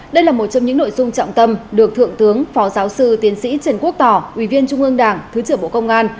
đây là một trong những nội dung trọng tâm được thượng tướng phó giáo sư tiến sĩ trần quốc tỏ ủy viên trung ương đảng thứ trưởng bộ công an